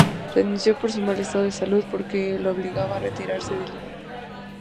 Renunció por su mal estado de salud, que lo obligaba a retirarse de Lima.